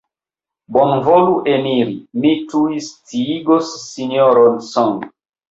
Bonvolu eniri; mi tuj sciigos Sinjoron Song.